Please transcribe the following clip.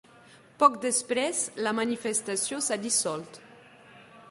Poc després la manifestació s’ha dissolt.